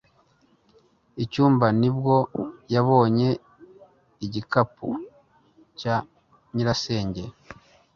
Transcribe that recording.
icyumba. nibwo yabonye igikapu cya nyirasenge